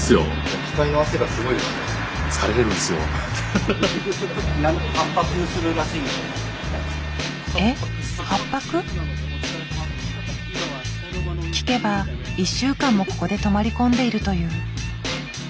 聞けば１週間もここで泊まり込んでいるという。